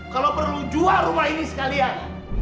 kalau perlu jual rumah ini sekalian